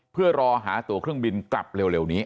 เพื่อรอหาตัวเครื่องบินกลับเร็วนี้